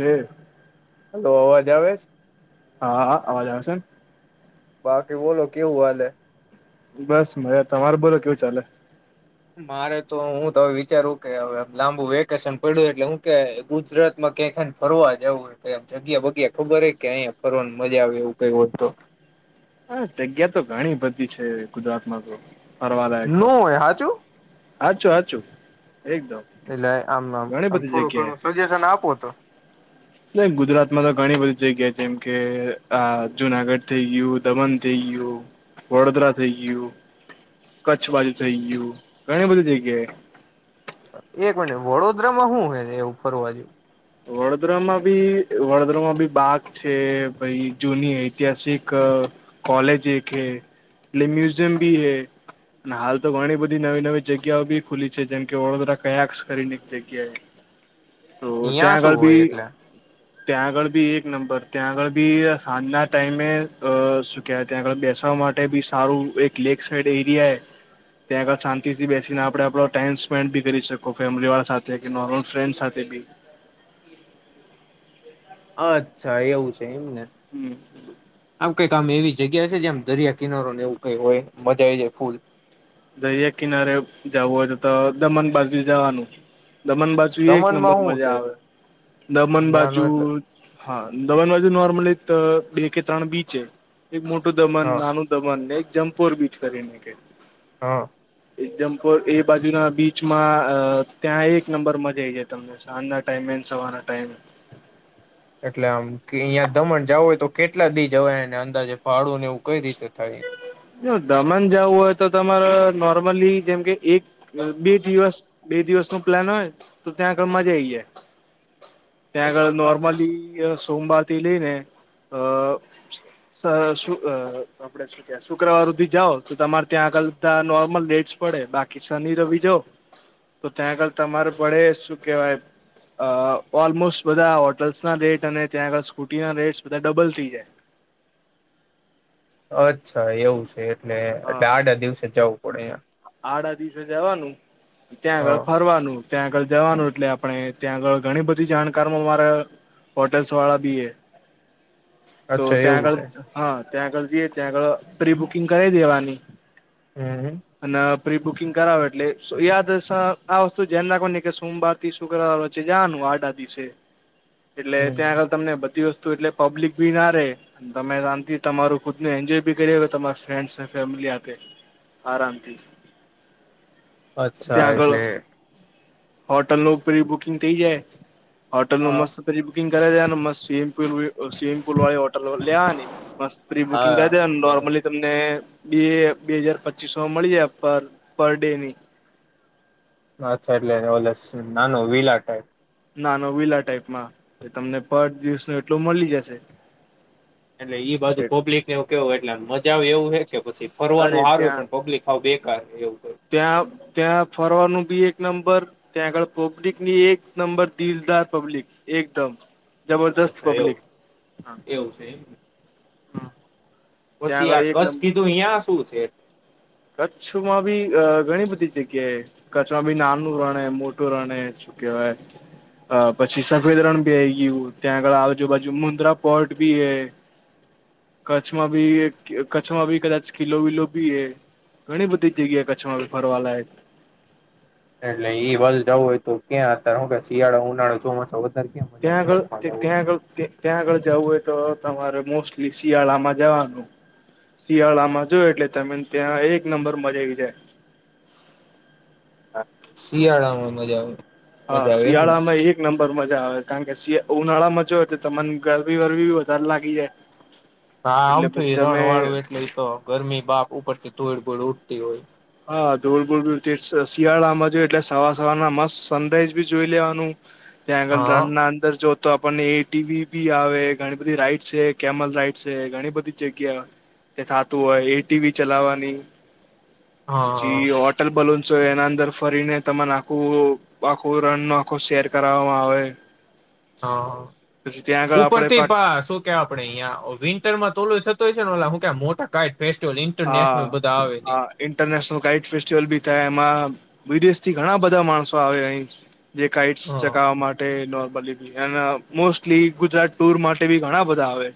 હમ તો અવાજ આવે જ હાા અવાજ આવશે બાકી વોલો કેવું હાલલે બસ મા તમાર બોલો કેવું ચાલે મારે તો હું તો હ વિચારું કે લાંબુ વેકેશન પડ્યું એટલે હું કે ગુજરાતમાં કને ફરવા જવુંમ જગ્યા બગ્યા ખબર હ કે અહીંયા ફરવાની મજા આવે એવું કઈ હોત તો હા જગ્યા તો ઘણી બધી છે ગુજરાત માં તો નું હોય હાચું હચો આચું એટલે આમ આમ આમ થોડું ઘણું સજેશન આપો તો ના ગુજરાત માં તો ઘણી બધી જગ્યા જેમ કે જુનાગઢ થઇ ગયું દમણ થઈ ગયું વડોદરા થઈ ગયું કચ્છ બાજુ થઈ ગયું ઘણી બધી જગ્યાએ એક મિનિટ વડોદરામાં શું હ ને એવું ફરવા જેવું વડોદરામાં બી વડોદરામાં બી બાગ છે ભાઈ જૂની ઐતિહાસિક કોલેજ એક હૈ લ મ્યુઝિયમ ભી હૈ અને હાલ તો ઘણી બધી નવી નવી જગ્યાઓ બી ખુલી છે જેમ કે વડોદરા કયા કરીની જગ્યાએ તો ત્યાં શું આગળ હોય બી એટલે ત્યાં આગળ બી એક નંબર ત્યાં આગળ બી સાંજના ટાઈમે સુક્યા ત્યાં આગળ બેસ માટે બી સારું એક લેક સાઈડ એરિયા ત્યાં આગળ શાંતિ થી બેસીને આપણે આપો ટાઈમ સ્પેન્ડી કરી શકો ફેમિલી વાળા સાથે નોર્મલ ફ્રેન્ડ સાથે બી અચ્છા એવું છે એમને હમ કઈક આમ એવી જગ્યા હ છે જેમ દરિયા કિનારો ને એવું કઈ હોય મજા આવી જાય ફૂલ દરિયા કિનારે જવું હોય તો તો દમણ બાજુ જવાનું દમણ બાજુ એક દમણમાં નંબર હું મજા છે આવે એટલે દમણ બાજુ ન્યાનો એટલે હા દમણ બાજુ નોર્મલી બે કે ત્રણ બીચ છે એક મોટું દમન હા નાનું દમન ને એક જમ્પોર બીચ કરીને ક હા જામ્પોર એ બાજુના બીચમાં અ ત્યાં એક નંબર મજાઈ જાય તમને સાંજના ટાઈમે ત સવાના ટાઈમ એટલે આમ અહં દમણ જવું હોય તો કેટલા દી જવાયને અંદાજે ભાડું ને એવું કઈ રીતે થાય? જો દમણ જવું હોય તો તમારે નોર્મલી જેમ કે એક બે દિવસ બે દિવસ ન પ્લાન હોય તો ત્યાં આગળ મજા આવીઈ જાય ત્યાં આગળ નોર્મલી સોમવાર થી લઈ ને અ આપડે શું ક શુક્રવાર સુધી જાઓ તો તમારે ત્યાં બધા નોર્મલ લેટસ પડે બાકી શનિ રવિ જો તો ત્યાં આગળ તમારે વડે શું કેહેવાય અ ઓલમોસ્ટ બધા હોટલસના રેટ અને ત્યાં આગળ સ્કૂટીના રેટ બધા ડબલ થઈ જાય અચ્છા એવું છે એટલે એટલે હા આડા દિવસે જવું પડે એમ આડા દિવસે જવાનું ત્યાં આગળ હા ફરવાનું ત્યાં આગળ જવાનું એટલે આપણે ત્યાં આગળ ઘણી બધી જાણકારમાં મારે હોટેલ્સ વાળા ભી હૈ તો અચ્છા ત્યાં એવું આગળ છે હા ત્યાં આગળ જઈએ ત્યાં આગળ પ્રી બુકિંગ કરાવ દેવાની હમ્મ અને પ્રી બુકિંગ કરાવો એટલે યાદ આ વસ્તુ ધ્યાન નાખો કે સોમવાર થી શુક્રવાર વચ્ચે જવાનું આડા દિવસે એટલે હમ ત્યાં આગળ તમને બધી વસ્તુ એટલે પબ્લિક ભી ના રે તમે આમ થી તમારું ખુદને એન્જોય બી કરી તમા ફ્રેન્ડ ફેમિલી આરામથી અચ્છા એટલે હોટલનું પ્રિ બુકિંગ થઇ જાય હોટલનું હા મસ્ત પી બુકિંગ કરે રહ્યા ને મસ્ત સ્વિમિંગ પુલ સ્વિમિંગ પુલ વા હોટલ લેવાની મસ્ત પ્રી બુકિંગ હા કરી દેવાનું નોર્મલી બરોબર તમને બે બે હજાર પચીસો મળી જાય પર પર ડેની અચ્છા એટલે ઓ નાનું વલા ટાઈપ નાનો વીલા ટાઈપમાં તમને પર દિવસ ન એટલું મળી જશે એટલે ઈ બાજુ પબ્લિક ને એ કેવું એટલે મજા આવ એવું હે કે પછી અરે ફરવાનું સાર હો ત્યાં પણ પબ્લિક આવાવ બેકાર એવું ક ત્યાં ત્યાં ફરવાનું બી એક નંબર ત્યાં આગળ પબ્લિકની એક નંબર દિલદાર પબ્લિક એકદમ જબરદસ્ત અચ્છા પબ્લિક એવું એવું છે એમ ત્યાં પછી આગળ આ એક કચ્છ નંબર કીધું અયા શું છે કચ્છમાં બી અ ઘણી બધી જગ્યાએ કચ્છમાં બી નાનું રણ મોટું રણ એ કે અ પછી સફવેદ રન બી આઈ ગયું ત્યાં આગળ આજુબાજુ મુન્દ્રા પોર્ટ બી હે કચ્છમાં બી કચ્છમાં બી કદાચ કીલો વિલો બી એ ઘણી બધી જગ્યાએ કચ્છમાં ફરવા લાયક એટલે ઈ વલ જવું હોય તો ક્યાંત શિયાળો ઉનાળો ચોમાસો ત્યાં આગળ ત્યાં આગળ ત્યાં આગળ જવું હોય તો તમારે મોસ્ટલી શિયાળામાં જવાનું શિયાળામાં જોય એટલે તમે ત્યાં એક નંબર મજા આઈ જાય શિયાળામાં મજા આવે હા મજા આવે એમ ને શિયાળામાં એક નંબર મ જા આવે કારણકે ઉનાળા મજા હોય તો તો મને ગરબી વરબીી વધારે લાગી જાય હા એટલે આમ થું પછી તમે રણ વાળું એટલેતો ગરમી બાપ ઉપર થી ધોળ ભૂળ ઉડતી હોય હા દોડૂ શિયાળામાં જો એટલે સવા સવારના મસ્ત સનરાઈઝ ભી જોઈ લેવાનું ત્યાં આગળ હા રનના અંદર જો તો આપણને એ ટીવી બી આવે ઘણી બધી રાઈડ છે કેમલ રાઈડ છે ઘણી બધી જગ્યા તે થાતું હોય એટીવી ચલાવાની હા પછી હોટલ બલૂન છે એના અંદર ફરીને તમાર આખું આખું રણ નો આખો શેર ફરાવામાં આવે હ પછી ત્યાં આગળ આપડે ઉપરથી પા શું કેવા આપડે અહિયા વિન્ટરમાં તો થતો હશે ને મોટા કાઈ હા હા ઇન્ટરનેશનલ કાઇટ ફેસ્ટિવલ ભી થાય એ મા વિદેશ થી ઘણા બધા માણસો આવે અહી જે કઇટ હા ચકાવવા માટે ડો મોસ્ટલી ગુજરાત ટુર માટે બી ઘણા બધા આવે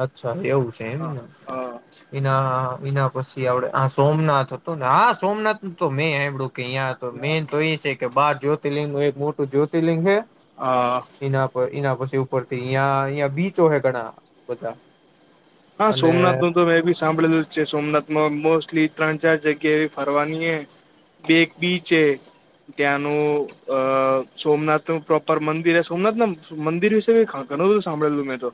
અચ્છા એવું છે એમ હા ના હા એના એના પછી આવડે સોમનાથ હતો ને હા સોમનાથ ન તો મેં સાડું કે અહં મેન તો એ છે તો બાર જ્યોતિર્લિંગ નું એક મોટું જ્યોતિર્લિંગ હે હા એના પર એના પ ઉપર થી અયા અયા બીચો હે ઘણા બધા હા અને સોમનાથ નું તો મેં બી સાંભળેલું જ છે સોમનાથમાં મોસ્ટ લી ત્રણ ચાર જગ્યા એવી ફરવાની એ કે એક બીચ એ ત્યાંનું અ સોમનાથ નું પ્રોપર મંદિર સોમનાથ ના મંદિર વિશે ખ ઘણું બધું સાંભળેલું મેં તો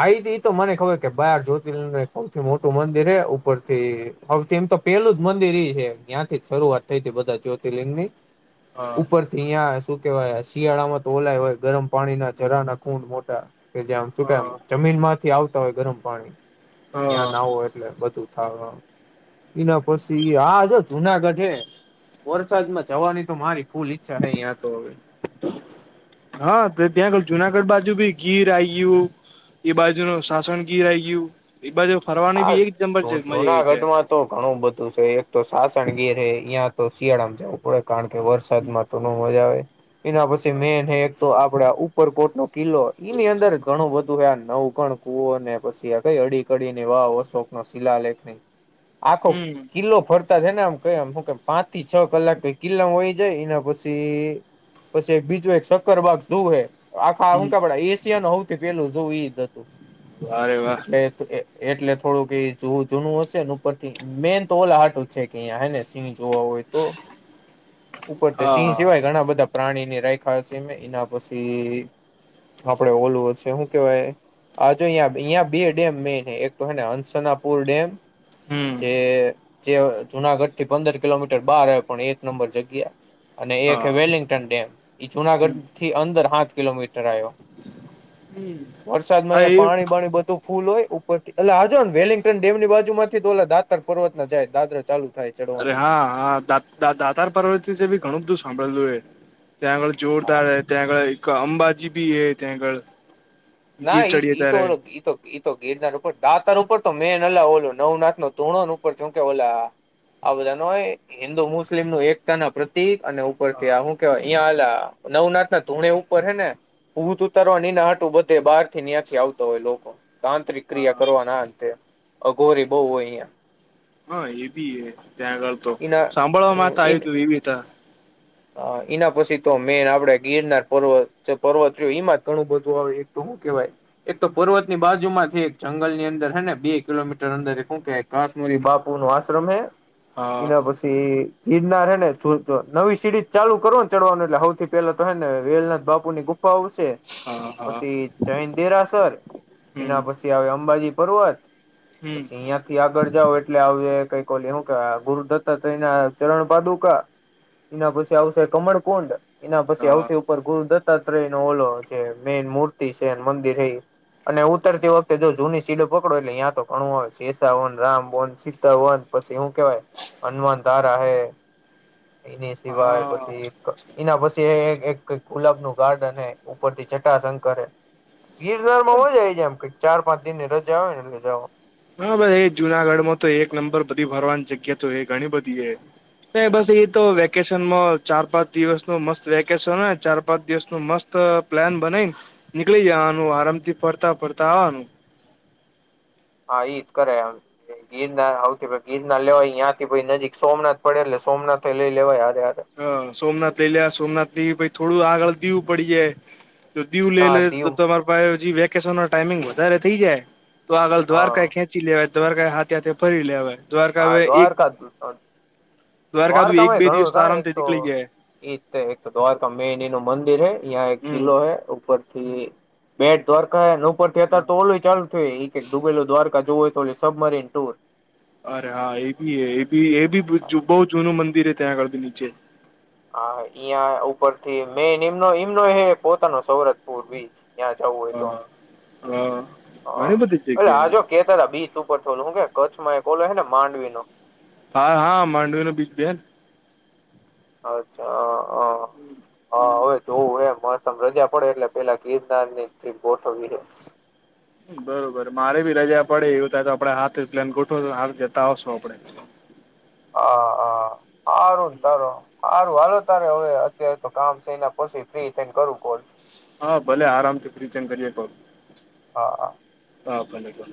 આઈ ગઈ તો મને ખબર કે બાર જ્યોતિર્લિંગનું એક સૌથી મોટું મંદિર હે ઉપરથી તો પેલું જ મંદિર એ છે ત્યાં થી જ શરૂઆત થઈ તી બધા જ્યોતિર્લિંગ ની હા ઉપરથી યાં શું કેવાય શિયાળામાં તો ઓલા હોય ગરમ પાણી ના જરા ના ખુંડ મોટા કે જે આમ શું હા કેમ મીન માંથી આવતા હોય ગરમ પાણી હા ત્યાં નાવો એટલે બધું થાવા ઈના પછી આજજ જુનાગઢ હે વરસાદમાં જવાની તો મારી ફૂલ ઈચ્છા હેયા તો હવે હા તો ત્યાં જુનાગઢ બાજુ ભી ગીર આઈ ગયું એ બાજુ નો શાસન કીર આઈ ગયું એ બાજુ ફરવાની હા બી એક નંબર છે મજા આવી જાય જુનાગઢમાં તો ઘણું બધું છે એક તો સાસણગીર ઇયા તો શિયાળામાં જવું પડે કારણ કે વરસાદમાં તો ન મજા આવે એના પછી મેન એક તો આ પડા ઉપરકોટ નો કિલ્લો ઈમે અંદર ઘણો બ નવ ઘણ કુવોને પછી કઈ અડી કડીને વાવ અશોકનો શિલાલેેખને આખો હમ કિલ્લો ફરતા છે ને કેમ હું કે પાંચ થી છ કલાક કિલ્લા હોય જાય એના પછી પછી એક બીજું એક શક્કર બાગ જોવું હે આખા હું હમ તબડા એશિયા નું હૌથી પેલું જોવું ઈ હતું વા રે વા એટલે એટલે થોડુંક જોવું જૂનું હશે ને ઉપર થી મેઈન તો ઓલા હાટુ જ છે કેં હેને સિ જોવા હોય તો ઉપર તો સિંહ હા સિવાય ઘણા બધા પ્રાણીને ખા છે એના પછી આપડે ઓલુ શું કેવાય આ જો આયા બે ડેમ મેન તો હેને હંસનાપુર ડેમ હમ જે જે જુનાગઢ થી પંદર કિલોમીટર બહાર આવે પણ એક નંબર જગ્યા અને એક હા હે વેલિંગ્ટન ડેમ ઈ હમ જુનાગઢ થી અંદર હાઠ કિલોમીટર વરસાદમાં હા અયા એ પાણી બાણી બધું ફૂલ હોય ઉપરથી એટલે આજો ને વેલિંગ્ટન ડેમની બાજુ માંથી તો ઓ દાતર પર્વત ના જાય દાદરા ચાલુ થાય અરે ચડવાના હા હા દાતાર પર્વત વિશે ભી ઘણું બધું સાંભળેલું એ ત્યાં આગળ હા જોરદાર હે ત્યાં આગળ એક અંબાજી ભી હે ત્યાં આગળ ના ગીર ચડીએ ઈ તો ત્યારે ઓ તો ઈતો ગિરનાર ઉપર દાતર ઉપર તો મેન ઓ ઓલો નવનાથ નો ધૂણોન ઉપર કે ઓલા આ બધા નો હોય હિન્દુ મુસ્લિમનું એકતા ના પ્રતિક અને ઉપરથી હા આ શું કેવાય અં નવ નાથ ના ધૂણે ઉપર હે ને ભૂત ઉતારવા ને એના હાટુ તે બહાર થી ન્યાથી આવતો હોય લોકો તાંત્રિક ક્રિયા હા કરવાના આ ને તે અઘોરી બવ હોય અહિયાં હા એ બી હે ત્યાં આગળ તો ઈના સાંભળવામા આવ્યુ તું એ બી ત એના પછી તો મેન આપડે ગિરનાર પર્વત જે પર્વત ઈ જ ઘણું બધું આવે હું કેવાય એક તો પર્વત ની બાજુમાંથી એક જંગલની અંદર હેને બે કિલોમીટર અંદર કહેવાય બાપુ નો આશ્રમ હે હા એના પછી ગિરનાર હેને નવી સીડી ચાલુ કરો ને ચડવાનું એટલે સૌથી પેલા તો હે ને વેલનાથ બાપુ ની ગુપત આવશે હા હા પછી જૈન દેરાસર હમ એના પછી આવે અંબાજી પર્વત હમ પછી અહિયાં થી આગળ જાવ એટલે આવે કઈક શું કે ગુરુ દત્તાત્રેયના ચરણ પાદુકા એના પછી આવશે કમળકુંડ એના પછી હા આવતી ઉપર ગુરુદત્ત સત્ય ન ઓલો જે મેન મૂર્તિ છે મંદિર એ અને ઉતરતી વખતે જો જૂની સીડ ડ એટલે ્યાં તો ઘણું આવેય શશાન રામ વન સીતા વન પછી શું કવાય અનુમાનદાર હ હ [unintelligible] એની સિવાય પછી એના પછી એક કઈક ગુલાબ નું ગાર્ડ અને ઉપરથી જટા સં કરે ગિરનાર માં મજ આવી જાય એમક ચાર પાંચ દિને રજા આવે ને એટ જઓ હા ભાઈ એ જુનાગઢ માં તો એક નંબર બધી ભરવાની જગ્યા તો એ ઘણી બધી એ એ બસ એ તો વેકેશન માં ચાર પાંચ દિવસ નું મસ્ત વેકેશન હોય ચાર પાંચ દિવસ નું મસ્ત પ્લાન બનાઈ ને નીકળી જ નું આરામથી ફરતા ફરતા આવવાનું હા ઈ જ કરેમ ગીરના આવથી ગીરના લેવાયાં થી નજીક સોમનાથ પડે સોમનાથથે લઈ લેવાયા હ સોમનાથ લઈ લ્યા સોમનાથ પ થોડું આગળ દીવું પડી જાય દીવ લઈ હા લે દીવ તમારે પાસે વેકેશન ટાઈમિંગ વધારે થઈ જાય તો આગળ હા દ્વારકા ખેંચી લેવાય દ્વારકા હાથે હાથે ફરી લેવાય દ્વારકા હા હવે એક દ્વારકા જ દ્વારકા બી એક દ્વારકામાંય બે ઘણું દિવસ ક આરામથી તો નીકળી જાય એઈ એક તો દ્વારકા મેની નું મંદિર હૈ હમ કિલ્લો હૈ ઉપર થી બેટ દ્વારકા હ ઉપર થયા હતા તો ઓલુંય ચાલુ થ ડુબે દ્વારકા જવ હોય તો ઓ સબમરીન ટુર અરે હા એ બી એ બી એ બી બહ જૂનું મંદિર હ ત્યાં આગળ બી નીચે હા અં ઉપર થી મેમનો હ પોતાનો સૌરતપુર બીચ ત્યાં જવું હોય તો હા હા ઘણી બધી એટ આજો જગ્યા કે ત બીચ ઉપર થોડું હું કે કચ્છમાં ઓલો હ ને માંડવી ન હા હા માંડવી ન બીજ બેન અચ્છા હ હા હા હવે જોવું એમ મહતમ રજા પડે એટલે પેલા ગીરનાર નીથી ગોઠવવી રહ્યો બરોબર મારે ભી રજા પડે એવું થાય તો આપડે હાથ પ્લાન ગોઠો હાથ જતા આવશો આપડે હ હ હા ને તારો સારું હાલો તારે હવે અત્યારે તો કામ થને પછી ફ્રી થઈને કરું કો હા ભલે આરામથી ફિચંગ કરીએ હા હા હા કો કો [unintelligible]